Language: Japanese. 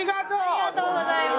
ありがとうございます。